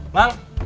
mang aku mau